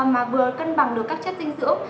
mà vừa cân bằng được các chất dinh dưỡng